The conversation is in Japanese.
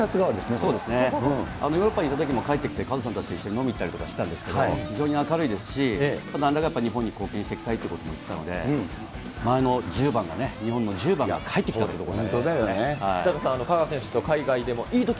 そうですね、ヨーロッパにいたときも、帰ってきてカズさんたちと一緒に飲みに行ったりとかしてたんですが、非常に明るいですし、ただ、日本に貢献していきたいということも言ってたので、前の１０番がね、日本の１０番が帰ってきたというところで。